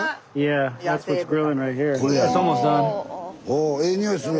おええ匂いする。